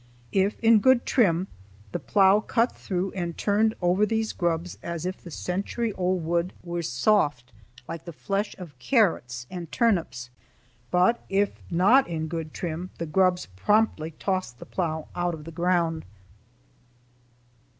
If in good trim, the plough cut through and turned over these grubs as if the century old wood were soft like the flesh of carrots and turnips; but if not in good trim the grubs promptly tossed the plough out of the ground.